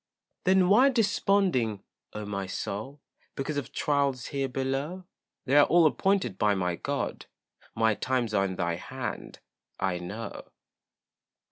Then why desponding, oh my soul, Because of trials here below? They're all appointed by my God, My times are in thy hand, I know.